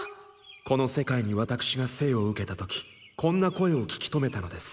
この世界に私が生を受けた時こんな声を聞き留めたのです。